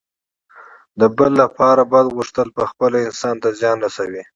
د بل لپاره بد غوښتل پخپله انسان ته زیان رسوي.